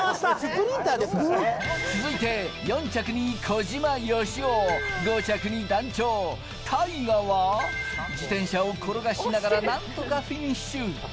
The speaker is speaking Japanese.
続いて、４着に小島よしお、５着に団長、ＴＡＩＧＡは自転車を転がしながら、なんとかフィニッシュ。